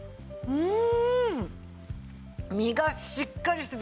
うん！